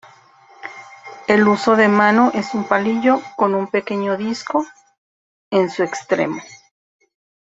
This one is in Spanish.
El huso de mano es un palillo con un pequeño disco en su extremo.